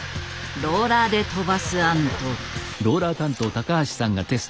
ローラーで飛ばす案と。